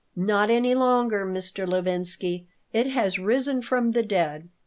Not any longer, Mr. Levinsky. It has risen from the dead."